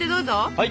はい！